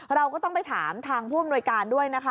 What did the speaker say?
เราก็ต้องไปถามทางผู้อำนวยการด้วยนะคะ